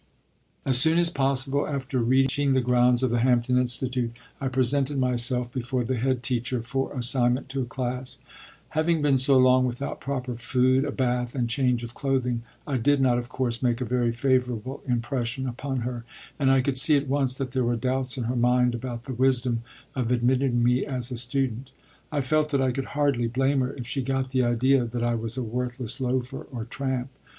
As soon as possible after reaching the grounds of the Hampton Institute, I presented myself before the head teacher for assignment to a class. Having been so long without proper food, a bath, and change of clothing, I did not, of course, make a very favorable impression upon her, and I could see at once that there were doubts in her mind about the wisdom of admitting me as a student. I felt that I could hardly blame her if she got the idea that I was a worthless loafer or tramp.